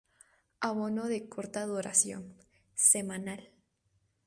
Abono de corta duración, semanal.